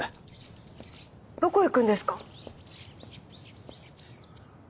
どこ行くんですか？